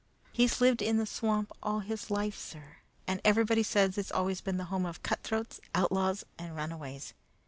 "He's lived in the swamp all his life, sir, and everybody says it's always been the home of cutthroats, outlaws, and runaways.